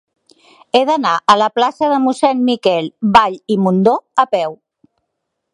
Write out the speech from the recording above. He d'anar a la plaça de Mossèn Miquel Vall i Mundó a peu.